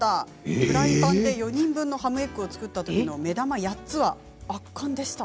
フライパンで４人分のハムエッグを作ったとき目玉８つは圧巻でした。